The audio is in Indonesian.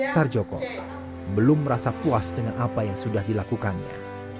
sarjoko belum merasa puas dengan apa yang sudah dilakukannya